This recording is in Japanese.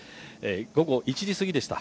午後１時過ぎでした。